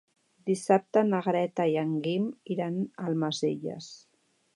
Dissabte na Greta i en Guim iran a Almacelles.